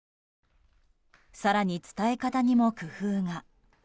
更に、伝え方にも工夫が。